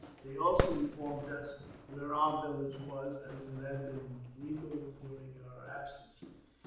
They also informed us where our village was, as it had been removed during our absence.